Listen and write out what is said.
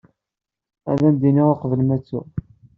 Ad am-d-iniɣ uqbel ma ttuɣ.